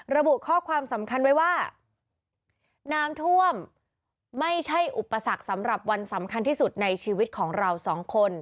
ระบุข้อความสำคัญไว้ว่าน้ำท่วมไม่ใช่อุปสรรคสำหรับวันสำคัญที่สุดในชีวิตของเราสองคน